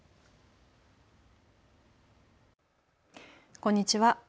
こんにちは。